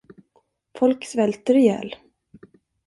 Folk svälter ihjäl.